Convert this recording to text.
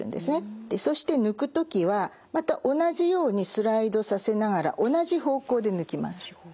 そして抜く時はまた同じようにスライドさせながら同じ方向で抜きます。